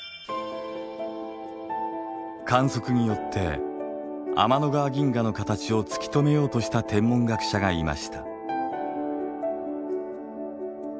観測によって天の川銀河の形を突き止めようとした天文学者がいました。